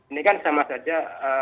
ini kan sama saja